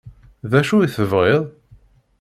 D acu i tebɣiḍ?